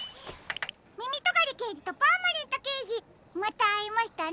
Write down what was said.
みみとがりけいじとパーマネントけいじまたあいましたね。